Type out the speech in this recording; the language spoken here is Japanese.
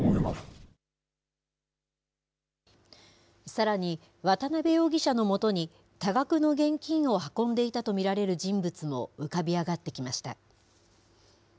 さらに、渡邉容疑者のもとに、多額の現金を運んでいたと見られる人物も浮かび上がってきました。